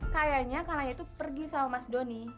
kayaknya kak naya tuh pergi sama mas doni